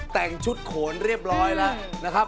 แต่งชุดโขนเรียบร้อยแล้วนะครับ